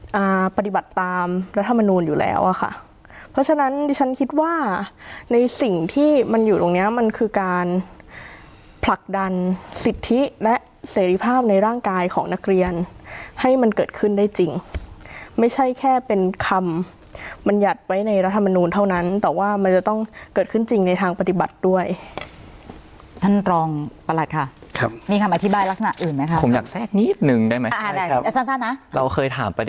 มาปฏิบัติตามรัฐมนุมอยู่แล้วอะค่ะเพราะฉะนั้นฉันคิดว่าในสิ่งที่มันอยู่ตรงเนี้ยมันคือการผลักดันสิทธิและเสร็จภาพในร่างกายของนักเรียนให้มันเกิดขึ้นได้จริงไม่ใช่แค่เป็นคำมันหยัดไว้ในรัฐมนุมเท่านั้นแต่ว่ามันจะต้องเกิดขึ้นจริงในทางปฏิบัติด้วยท่านรองประหลักค